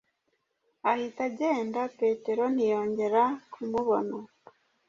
ahita agenda Petero ntiyongera kumubona.